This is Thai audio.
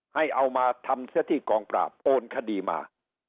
ให้เอามาทำซะที่กองปราบโอนคดีมา